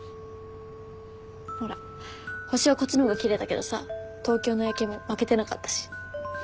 ほら星はこっちの方が奇麗だけどさ東京の夜景も負けてなかったし。